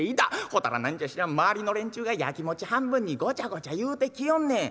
ほたら何じゃ知らん周りの連中がやきもち半分にごちゃごちゃ言うてきよんねん。